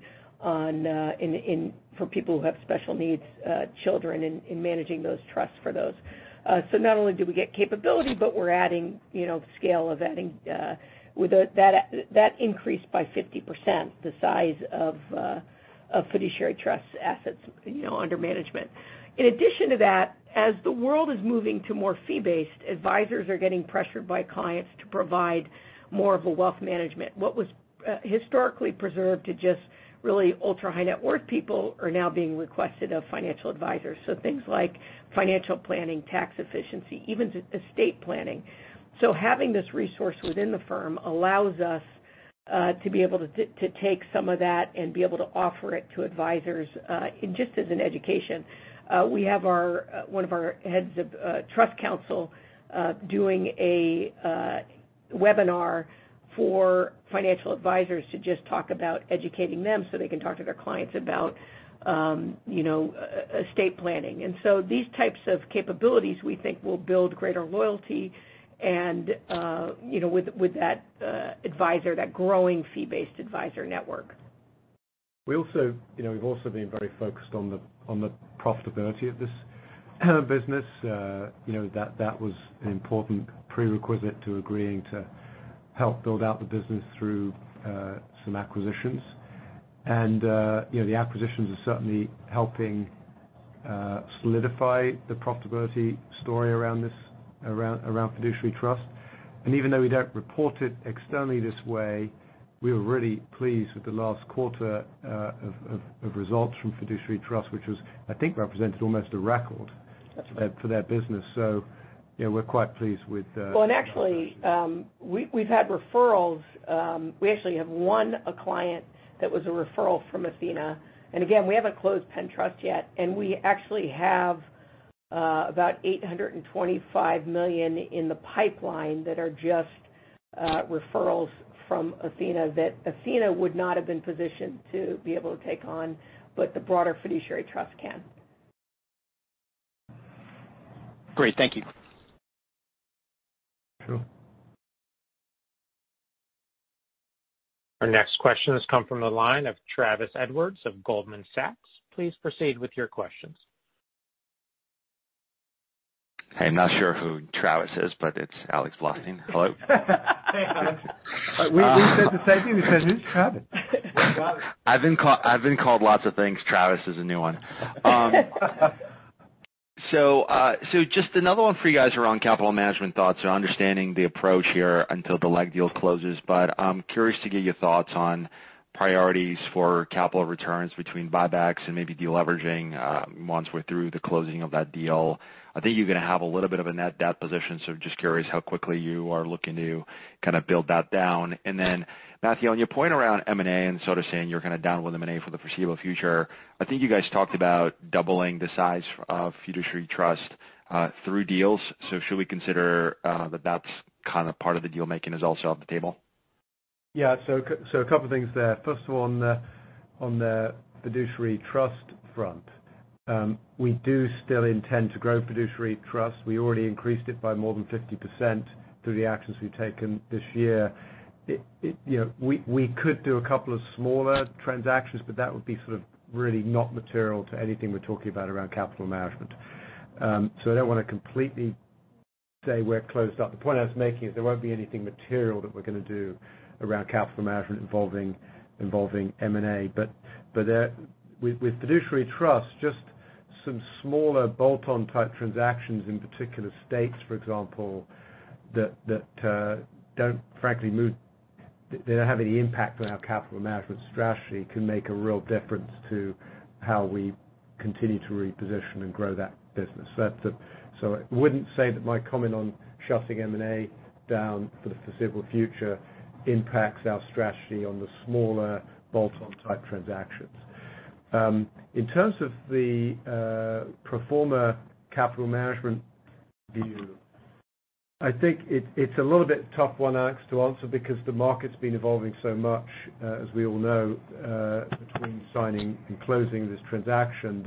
people who have special needs, children, in managing those trusts for those. So not only do we get capability, but we're adding scale by adding that increased by 50% the size of Fiduciary Trust assets under management. In addition to that, as the world is moving to more fee-based, advisors are getting pressured by clients to provide more of a wealth management. What was historically reserved for just really ultra-high-net-worth people are now being requested of financial advisors. So things like financial planning, tax efficiency, even estate planning. So having this resource within the firm allows us to be able to take some of that and be able to offer it to advisors just as an education. We have one of our heads of Trust Counsel doing a webinar for financial advisors to just talk about educating them so they can talk to their clients about estate planning. These types of capabilities, we think, will build greater loyalty with that advisor, that growing fee-based advisor network. We've also been very focused on the profitability of this business. That was an important prerequisite to agreeing to help build out the business through some acquisitions, and the acquisitions are certainly helping solidify the profitability story around Fiduciary Trust, and even though we don't report it externally this way, we were really pleased with the last quarter of results from Fiduciary Trust, which was, I think, represented almost a record for their business, so we're quite pleased with. And actually, we've had referrals. We actually have one client that was a referral from Athena. And again, we haven't closed Pennsylvania Trust yet. And we actually have about $825 million in the pipeline that are just referrals from Athena that Athena would not have been positioned to be able to take on, but the broader Fiduciary Trust can. Great. Thank you. Sure. Our next question has come from the line of Travis Edwards of Goldman Sachs. Please proceed with your questions. I'm not sure who Travis is, but it's Alex Blostein. Hello. Hey, Alex. We said the same thing. We said, "Who's Travis? I've been called lots of things. Travis is a new one. So just another one for you guys around capital management thoughts or understanding the approach here until the Legg deal closes. But I'm curious to get your thoughts on priorities for capital returns between buybacks and maybe deleveraging once we're through the closing of that deal. I think you're going to have a little bit of a net debt position. So I'm just curious how quickly you are looking to kind of build that down. And then, Matthew, on your point around M&A and sort of saying you're going to dial down M&A for the foreseeable future, I think you guys talked about doubling the size of Fiduciary Trust through deals. So should we consider that that's kind of part of the deal-making is also on the table? Yeah. So a couple of things there. First of all, on the Fiduciary Trust front, we do still intend to grow Fiduciary Trust. We already increased it by more than 50% through the actions we've taken this year. We could do a couple of smaller transactions, but that would be sort of really not material to anything we're talking about around capital management. So I don't want to completely say we're closed up. The point I was making is there won't be anything material that we're going to do around capital management involving M&A. But with Fiduciary Trust, just some smaller bolt-on type transactions in particular states, for example, that don't, frankly, move. They don't have any impact on our capital management strategy, can make a real difference to how we continue to reposition and grow that business. So I wouldn't say that my comment on shutting M&A down for the foreseeable future impacts our strategy on the smaller bolt-on type transactions. In terms of the permanent capital management view, I think it's a little bit tough one, Alex, to answer because the market's been evolving so much, as we all know, between signing and closing this transaction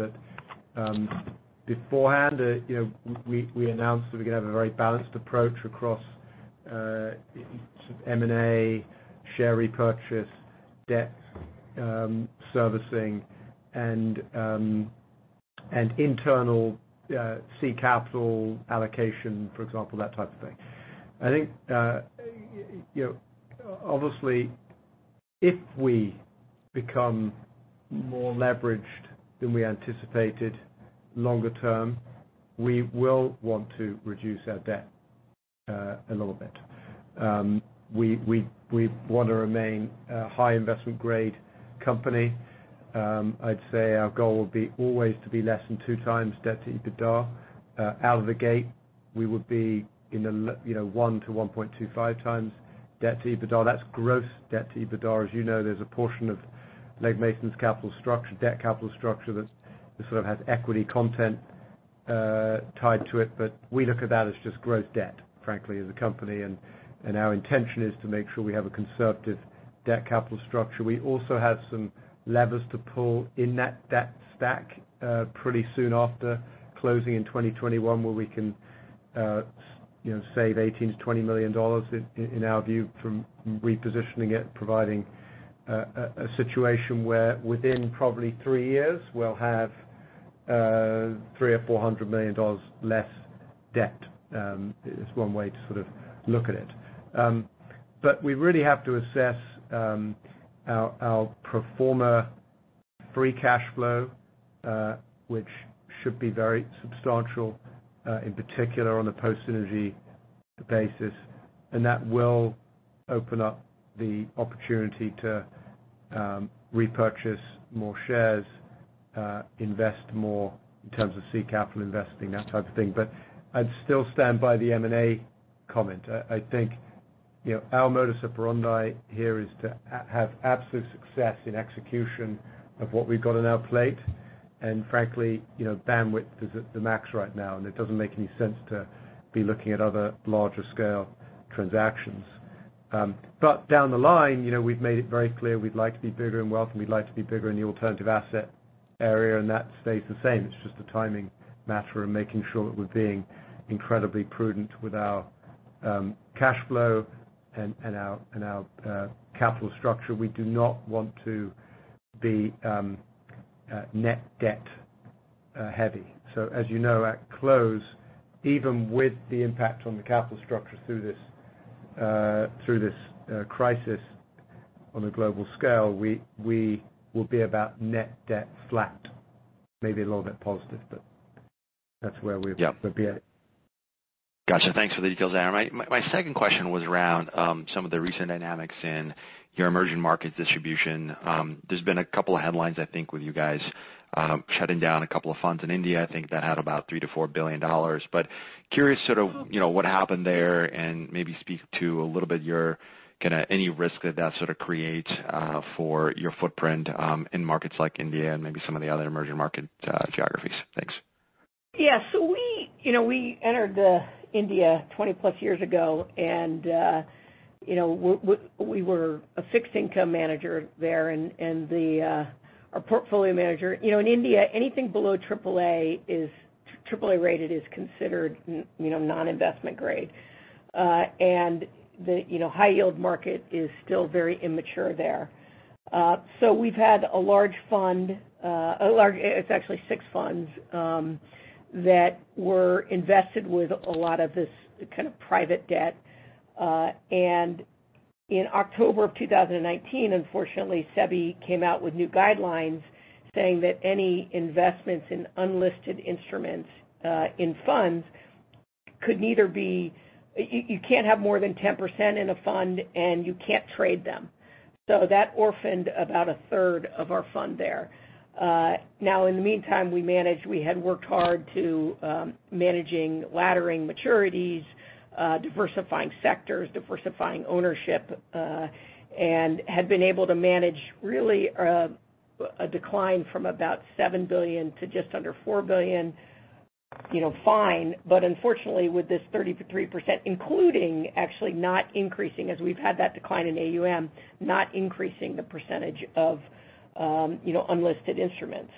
that beforehand, we announced that we're going to have a very balanced approach across M&A, share repurchase, debt servicing, and internal seed capital allocation, for example, that type of thing. I think, obviously, if we become more leveraged than we anticipated longer term, we will want to reduce our debt a little bit. We want to remain a high investment-grade company. I'd say our goal would be always to be less than two times debt to EBITDA. Out of the gate, we would be in the 1 to 1.25 times debt to EBITDA. That's gross debt to EBITDA. As you know, there's a portion of Legg Mason's capital structure, debt capital structure that sort of has equity content tied to it. But we look at that as just gross debt, frankly, as a company. And our intention is to make sure we have a conservative debt capital structure. We also have some levers to pull in that debt stack pretty soon after closing in 2021 where we can save $18 million-$20 million, in our view, from repositioning it, providing a situation where, within probably three years, we'll have $300 million or $400 million less debt. It's one way to sort of look at it. But we really have to assess our post-merger free cash flow, which should be very substantial, in particular on a post-synergy basis. And that will open up the opportunity to repurchase more shares, invest more in terms of seed capital investing, that type of thing. But I'd still stand by the M&A comment. I think our modus operandi here is to have absolute success in execution of what we've got on our plate. And frankly, bandwidth is at the max right now. And it doesn't make any sense to be looking at other larger-scale transactions. But down the line, we've made it very clear we'd like to be bigger in wealth, and we'd like to be bigger in the alternative asset area. And that stays the same. It's just a timing matter and making sure that we're being incredibly prudent with our cash flow and our capital structure. We do not want to be net debt heavy. So as you know, at close, even with the impact on the capital structure through this crisis on a global scale, we will be about net debt flat, maybe a little bit positive, but that's where we'll be. Gotcha. Thanks. [inaudible] My second question was around some of the recent dynamics in your emerging markets distribution. There's been a couple of headlines, I think, with you guys shutting down a couple of funds in India. I think that had about $3-$4 billion. But curious sort of what happened there and maybe speak to a little bit your kind of any risk that that sort of creates for your footprint in markets like India and maybe some of the other emerging market geographies. Thanks. Yeah. So we entered India 20-plus years ago, and we were a fixed income manager there. And our portfolio manager in India, anything below AAA rated is considered non-investment grade. And the high-yield market is still very immature there. So we've had a large fund, it's actually six funds that were invested with a lot of this kind of private debt. And in October of 2019, unfortunately, SEBI came out with new guidelines saying that any investments in unlisted instruments in funds could neither be - you can't have more than 10% in a fund, and you can't trade them. So that orphaned about a third of our fund there. Now, in the meantime, we had worked hard to manage laddering maturities, diversifying sectors, diversifying ownership, and had been able to manage really a decline from about 7 billion to just under 4 billion, fine. Unfortunately, with this 33%, including actually not increasing, as we've had that decline in AUM, not increasing the percentage of unlisted instruments.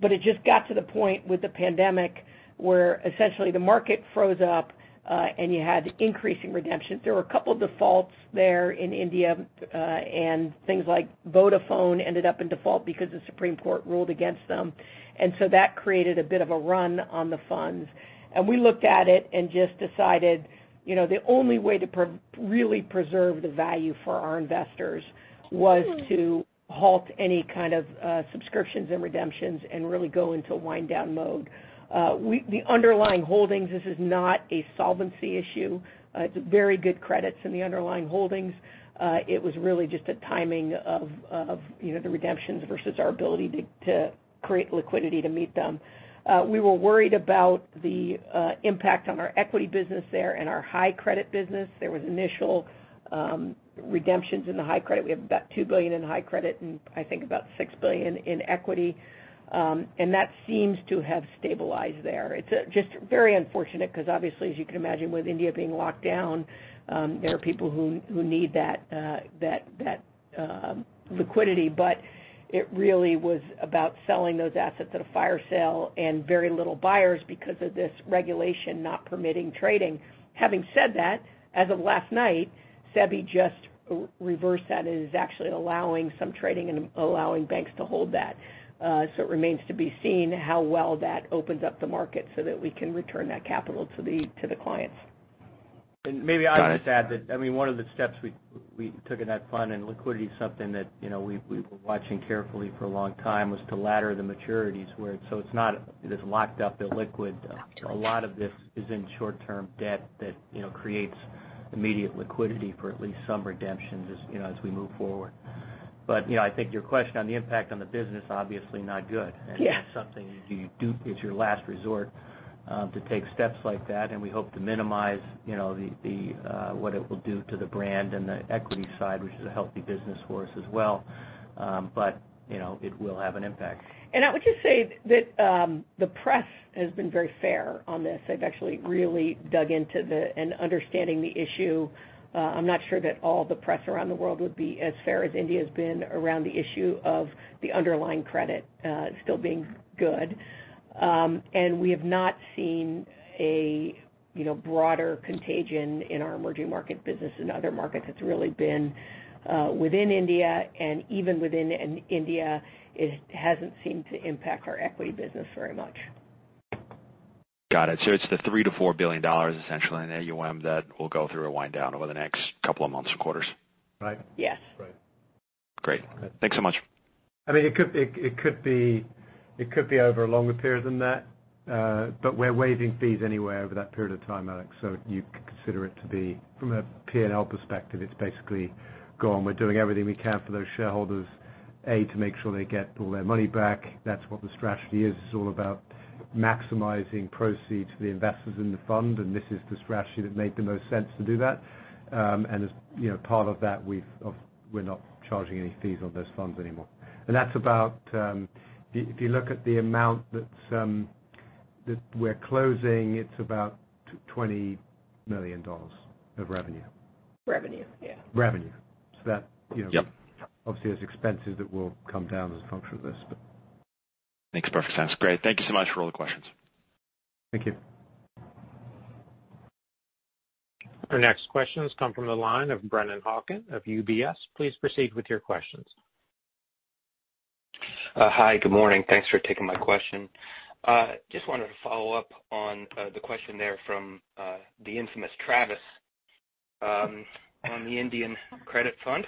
It just got to the point with the pandemic where essentially the market froze up, and you had increasing redemptions. There were a couple of defaults there in India, and things like Vodafone ended up in default because the Supreme Court ruled against them. So that created a bit of a run on the funds. We looked at it and just decided the only way to really preserve the value for our investors was to halt any kind of subscriptions and redemptions and really go into wind-down mode. The underlying holdings. This is not a solvency issue. It's very good credits in the underlying holdings. It was really just a timing of the redemptions versus our ability to create liquidity to meet them. We were worried about the impact on our equity business there and our high credit business. There were initial redemptions in the high credit. We have about $2 billion in high credit and, I think, about $6 billion in equity. And that seems to have stabilized there. It's just very unfortunate because, obviously, as you can imagine, with India being locked down, there are people who need that liquidity. But it really was about selling those assets at a fire sale and very little buyers because of this regulation not permitting trading. Having said that, as of last night, SEBI just reversed that and is actually allowing some trading and allowing banks to hold that. So it remains to be seen how well that opens up the market so that we can return that capital to the clients. And maybe I'll just add that. I mean, one of the steps we took in that fund, and liquidity is something that we were watching carefully for a long time, was to ladder the maturities where it's not, it is locked up, illiquid. A lot of this is in short-term debt that creates immediate liquidity for at least some redemptions as we move forward. But I think your question on the impact on the business, obviously not good. Yeah. And it's something you do. It's your last resort to take steps like that. And we hope to minimize what it will do to the brand and the equity side, which is a healthy business for us as well. But it will have an impact. I would just say that the press has been very fair on this. They've actually really dug into the understanding the issue. I'm not sure that all the press around the world would be as fair as India has been around the issue of the underlying credit still being good. We have not seen a broader contagion in our emerging market business in other markets. It's really been within India. Even within India, it hasn't seemed to impact our equity business very much. Got it. So it's the $3-$4 billion essentially in AUM that will go through a wind-down over the next couple of months or quarters. Right. Yes. Great. Thanks so much. I mean, it could be over a longer period than that. But we're waiving fees anywhere over that period of time, Alex. So you could consider it to be, from a P&L perspective, it's basically gone. We're doing everything we can for those shareholders, A, to make sure they get all their money back. That's what the strategy is. It's all about maximizing proceeds for the investors in the fund. And this is the strategy that made the most sense to do that. And as part of that, we're not charging any fees on those funds anymore. And that's about, if you look at the amount that we're closing, it's about $20 million of revenue. Revenue, yeah. Revenue, so that, obviously, there's expenses that will come down as a function of this, but. Makes perfect sense. Great. Thank you so much for all the questions. Thank you. Our next questions come from the line of Brennan Hawken of UBS. Please proceed with your questions. Hi, good morning. Thanks for taking my question. Just wanted to follow up on the question there from the infamous Travis on the Indian credit fund.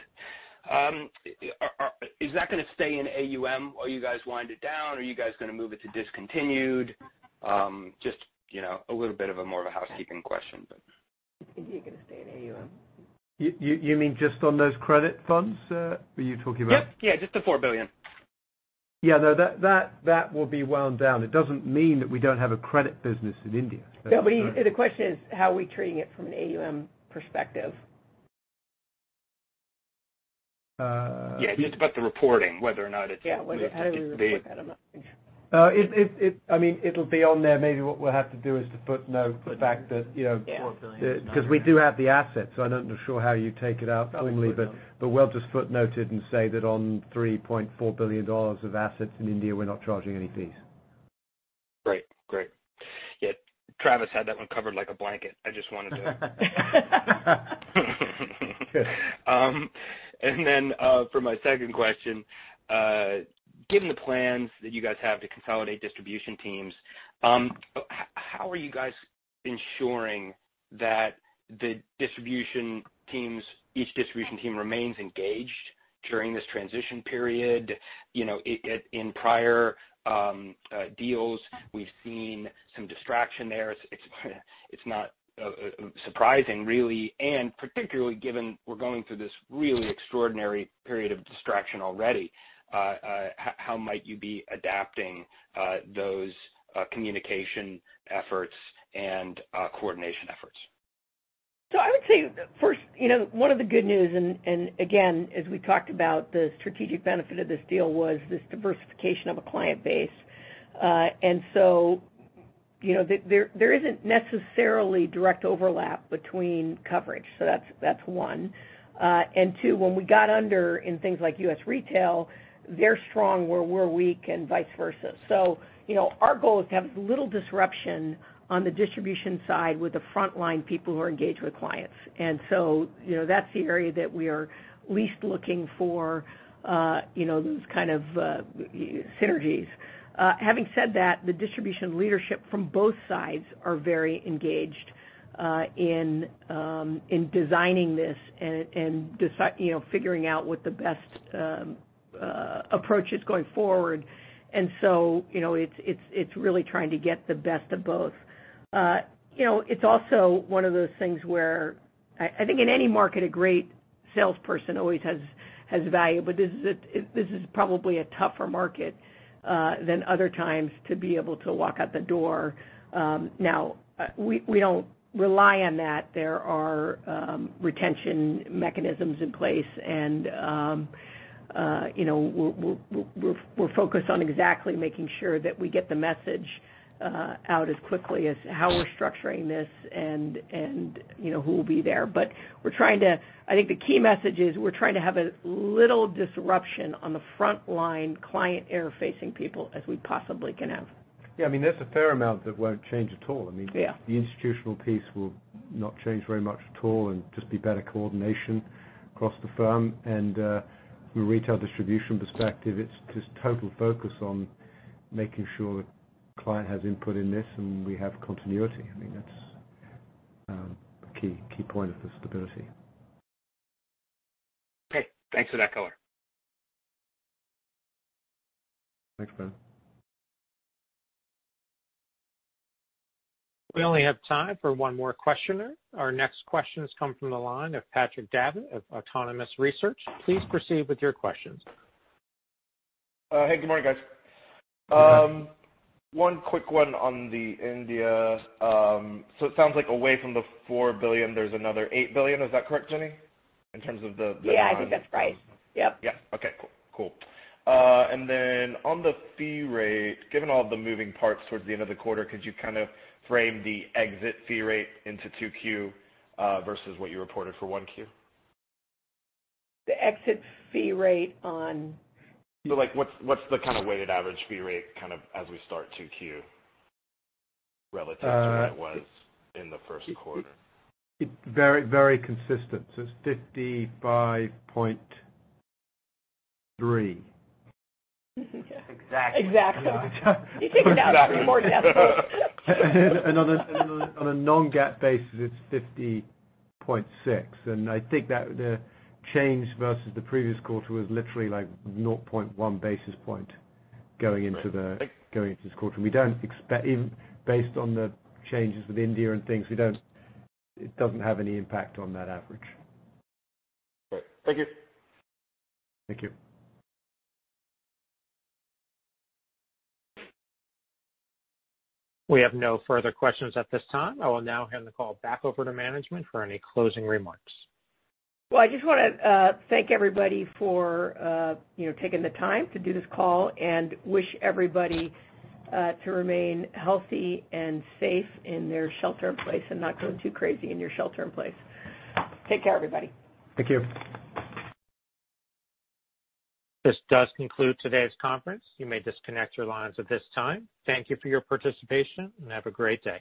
Is that going to stay in AUM? Are you guys winding it down? Are you guys going to move it to discontinued? Just a little bit more of a housekeeping question, but. You think you're going to stay in AUM? You mean just on those credit funds? Are you talking about? Yep. Yeah. Just the $4 billion. Yeah. No, that will be wound down. It doesn't mean that we don't have a credit business in India. The question is how are we treating it from an AUM perspective? Yeah. Just about the reporting, whether or not it's going to be. Yeah. How do we report that? I don't know. I mean, it'll be on there. Maybe what we'll have to do is to footnote the fact that. 4 billion. Because we do have the assets. So I'm not sure how you take it out cleanly, but we'll just footnote it and say that on $3.4 billion of assets in India, we're not charging any fees. Great. Great. Yeah. Travis had that one covered like a blanket. I just wanted to. And then for my second question, given the plans that you guys have to consolidate distribution teams, how are you guys ensuring that the distribution teams, each distribution team, remains engaged during this transition period? In prior deals, we've seen some distraction there. It's not surprising, really. And particularly given we're going through this really extraordinary period of distraction already, how might you be adapting those communication efforts and coordination efforts? So I would say, first, one of the good news, and again, as we talked about, the strategic benefit of this deal was this diversification of a client base. And so there isn't necessarily direct overlap between coverage. So that's one. And two, when we got under in things like U.S. retail, they're strong where we're weak and vice versa. So our goal is to have as little disruption on the distribution side with the frontline people who are engaged with clients. And so that's the area that we are least looking for those kind of synergies. Having said that, the distribution leadership from both sides are very engaged in designing this and figuring out what the best approach is going forward. And so it's really trying to get the best of both. It's also one of those things where I think in any market, a great salesperson always has value. But this is probably a tougher market than other times to be able to walk out the door. Now, we don't rely on that. There are retention mechanisms in place. And we're focused on exactly making sure that we get the message out as quickly as how we're structuring this and who will be there. But we're trying to, I think the key message is we're trying to have a little disruption on the frontline client-interfacing people as we possibly can have. Yeah. I mean, there's a fair amount that won't change at all. I mean, the institutional piece will not change very much at all and just be better coordination across the firm. And from a retail distribution perspective, it's just total focus on making sure the client has input in this and we have continuity. I mean, that's a key point of the stability. Okay. Thanks for that. [inaudible] Thanks, Brennan. We only have time for one more questioner. Our next questions come from the line of Patrick Davitt of Autonomous Research. Please proceed with your questions. Hey. Good morning, guys. One quick one on India. So it sounds like away from the $4 billion, there's another $8 billion. Is that correct, Jenny? In terms of the. Yeah. I think that's right. Yep. Yeah. Okay. Cool. Cool. And then on the fee rate, given all the moving parts towards the end of the quarter, could you kind of frame the exit fee rate into 2Q versus what you reported for 1Q? The exit fee rate on. But what's the kind of weighted average fee rate kind of as we start 2Q relative to what it was in the Q1? Very consistent. So it's 55.3. Exactly. Exactly. You take it down three more decimals. On a non-GAAP basis, it's 50.6. I think that the change versus the previous quarter was literally like 0.1 basis point going into this quarter. Based on the changes with India and things, it doesn't have any impact on that average. Great. Thank you. Thank you. We have no further questions at this time. I will now hand the call back over to management for any closing remarks. I just want to thank everybody for taking the time to do this call and wish everybody to remain healthy and safe in their shelter in place and not going too crazy in your shelter in place. Take care, everybody. Thank you. This does conclude today's conference. You may disconnect your lines at this time. Thank you for your participation and have a great day.